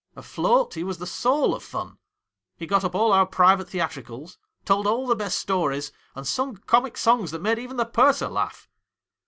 Afloat, he was the soul of fun :— he got up all our private theatricals, told all the best stories, and sung comic songs that made even the Purser laugh.'